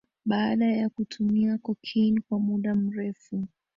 Baada ya kutumia cocaine kwa muda mrefu